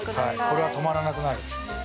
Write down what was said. これは止まらなくなる。